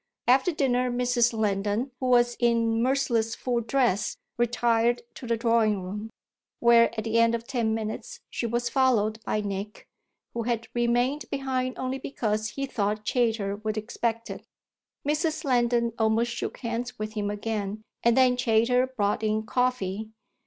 After dinner Mrs. Lendon, who was in merciless full dress, retired to the drawing room, where at the end of ten minutes she was followed by Nick, who had remained behind only because he thought Chayter would expect it. Mrs. Lendon almost shook hands with him again and then Chayter brought in coffee.